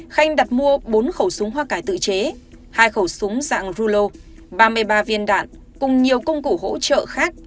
khanh đặt mua bốn khẩu súng hoa cải tự chế hai khẩu súng dạng rulo ba mươi ba viên đạn cùng nhiều công cụ hỗ trợ khác